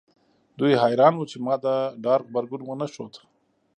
دوی حیران وو چې ما د ډار غبرګون ونه ښود